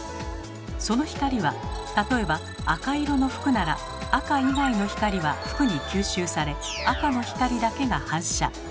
その光は例えば赤色の服なら赤以外の光は服に吸収され赤の光だけが反射。